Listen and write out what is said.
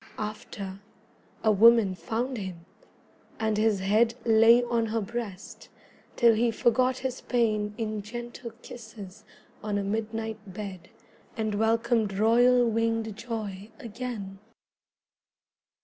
After, a woman found him, and his head Lay on her breast, till he forgot his pain In gentle kisses on a midnight bed, And welcomed royal winged joy again.